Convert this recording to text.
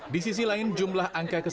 di sisi lain jumlah angka kematian